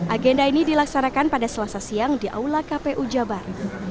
agenda ini dilaksanakan pada selasa siang di aula kpu jabar